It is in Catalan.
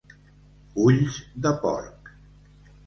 Ulls de porc.